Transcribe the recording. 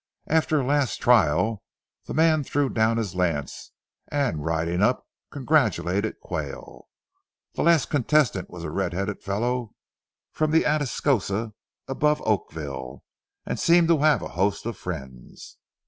After a last trial the man threw down his lance, and, riding up, congratulated Quayle. The last contestant was a red headed fellow from the Atascosa above Oakville, and seemed to have a host of friends.